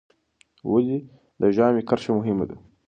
ولې د ژامې کرښه مهمه ده؟